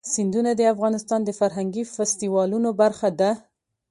سیندونه د افغانستان د فرهنګي فستیوالونو برخه ده.